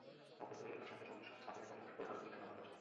তখন, তুমি রিকার সাথে সংযোগ স্থাপনের জন্য ওই আংটিটা ব্যবহার করেছো।